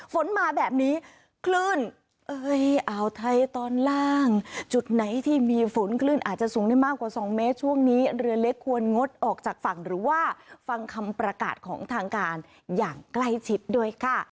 ฝนมาแบบนี้คลื่นเอ้ยอ่าวไทยตอนล่างจุดไหนที่มีฝนคลื่นอาจจะสูงได้มากกว่า๒เมตรช่วงนี้เรือเล็กควรงดออกจากฝั่งหรือว่าฟังคำประกาศของทางการอย่างใกล้ชิดด้วยค่ะ